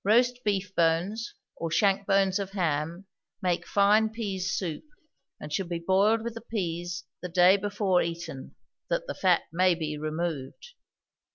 Roast beef bones, or shank bones of ham, make fine peas soup, and should be boiled with the peas the day before eaten, that the fat may be removed.